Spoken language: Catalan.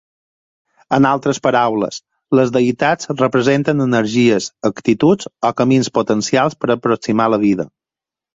En altres paraules, les deïtats representen energies, actituds o camins potencials per aproximar vida.